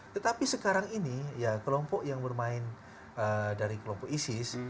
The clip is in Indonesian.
tetapi sekarang ini ya kelompok yang bermain dari kelompok isis